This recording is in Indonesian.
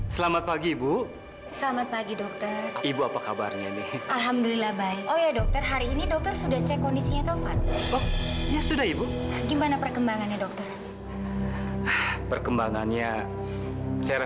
sampai jumpa di video selanjutnya